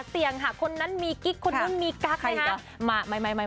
เซี่ยงค่ะคนนั้นมีกิ๊กคนนั้นมีกั๊กนะคะมาไม๊